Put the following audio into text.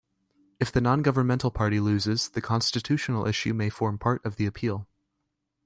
If the non-governmental party loses, the constitutional issue may form part of the appeal.